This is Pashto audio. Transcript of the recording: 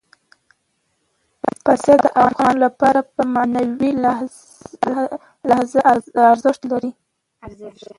پسه د افغانانو لپاره په معنوي لحاظ ارزښت لري.